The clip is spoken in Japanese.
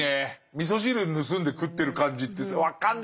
みそ汁盗んで食ってる感じって分かるんだよ。